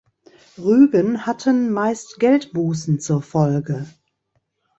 Rügen hatten meist Geldbußen zur Folge.